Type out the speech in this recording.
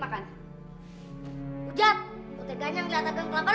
hah siang aku lapar